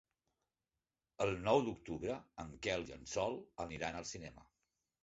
El nou d'octubre en Quel i en Sol aniran al cinema.